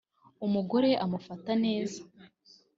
umugore amufata neza